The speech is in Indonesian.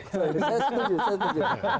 saya setuju saya setuju